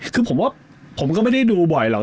คือผมว่าผมก็ไม่ได้ดูบ่อยหรอก